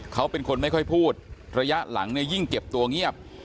เขาเป็นคนไม่ค่อยพูดระยะหลังเนี่ยยิ่งเก็บตัวเงียบ